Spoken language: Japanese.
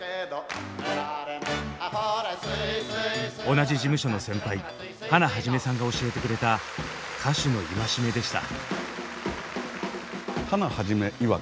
同じ事務所の先輩ハナ肇さんが教えてくれた歌手の戒めでした。